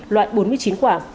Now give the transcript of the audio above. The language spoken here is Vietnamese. loại bốn mươi chín quả